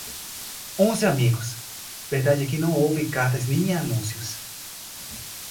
Onze amigos! Verdade é que não houve cartas nem anúncios.